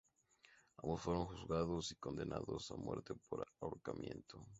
Ambos fueron juzgados y condenados a muerte por ahorcamiento.